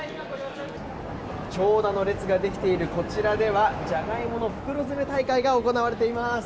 長蛇の列ができているこちらではジャガイモの袋詰め大会が行われています。